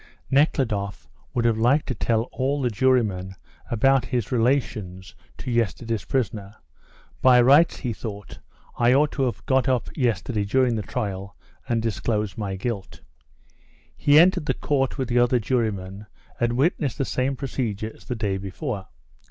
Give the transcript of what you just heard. Nekhludoff would have liked to tell all the jurymen about his relations to yesterday's prisoner. "By rights," he thought, "I ought to have got up yesterday during the trial and disclosed my guilt." He entered the court with the other jurymen, and witnessed the same procedure as the day before.